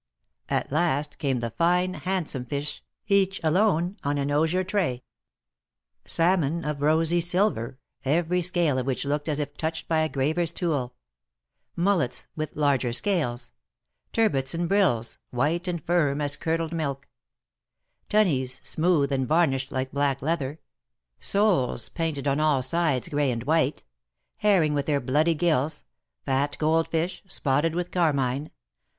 At last came the fine, handsome fish, each alone, on an osier tray; salmon of rosy silver, every scale of which looked as if touched by a graver's tool; mullets, with larger scales ; turbots, and brills, white and firm as curdled milk; tun jies, smooth and varnished like black leather; soles panted on all sides, gray and white ; herring with their bloody gills; fat gold fish, spotted with carmine; — 125 THE MARKETS OF PARIS.